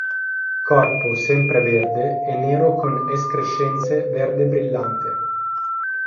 Corpo sempre verde e nero con escrescenze verde brillante.